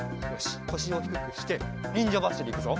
こしをひくくしてにんじゃばしりいくぞ。